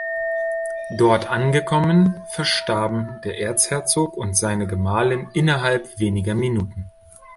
Dort angekommen verstarben der Erzherzog und seine Gemahlin innerhalb weniger Minuten.